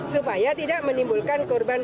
supaya tidak menimbulkan korban